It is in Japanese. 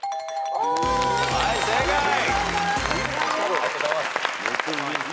ありがとうございます。